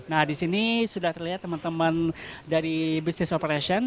nah disini sudah terlihat teman teman dari business operation